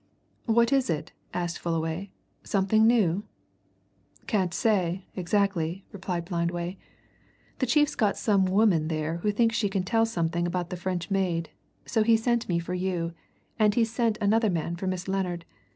"What is it?" asked Fullaway. "Something new?" "Can't say, exactly," replied Blindway. "The chief's got some woman there who thinks she can tell something about the French maid, so he sent me for you, and he's sent another man for Miss Lennard.